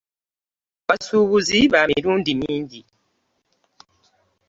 Abasuubuzi ba mirundi mingi.